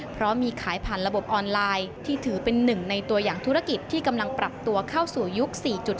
เพราะมีขายผ่านระบบออนไลน์ที่ถือเป็นหนึ่งในตัวอย่างธุรกิจที่กำลังปรับตัวเข้าสู่ยุค๔๐